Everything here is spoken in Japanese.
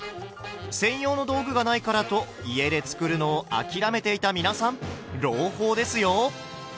専用の道具がないからと家で作るのを諦めていた皆さん朗報ですよ！